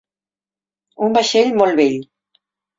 Un vaixell molt vell.